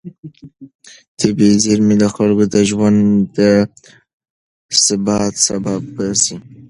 طبیعي زېرمې د خلکو د ژوند د ثبات سبب ګرځي.